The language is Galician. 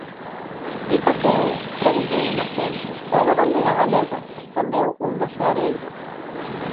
"Iso que é?", preguntou un axente, "é unha bandeira galega", respondeu un dos seareiros.